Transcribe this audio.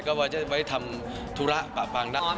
ก็จะไว้ทำธุระแบบด้าน